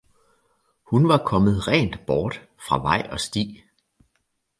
Hun var kommet rent bort fra vej og sti